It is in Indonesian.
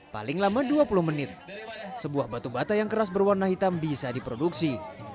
paling lama dua puluh menit sebuah batu bata yang keras berwarna hitam bisa diproduksi